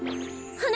は